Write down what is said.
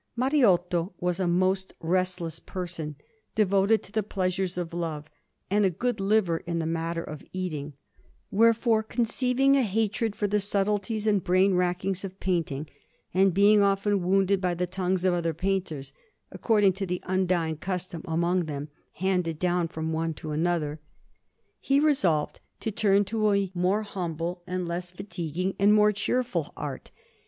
Mariotto was a most restless person, devoted to the pleasures of love, and a good liver in the matter of eating; wherefore, conceiving a hatred for the subtleties and brain rackings of painting, and being often wounded by the tongues of other painters (according to the undying custom among them, handed down from one to another), he resolved to turn to a more humble, less fatiguing, and more cheerful art.